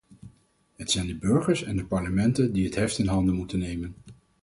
Het zijn de burgers en de parlementen die het heft in handen moeten nemen.